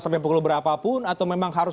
sampai pukul berapapun atau memang harus